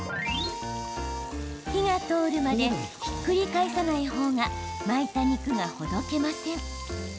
火が通るまでひっくり返さない方が巻いた肉が、ほどけません。